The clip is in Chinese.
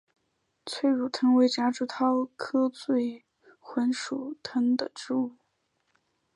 催乳藤为夹竹桃科醉魂藤属的植物。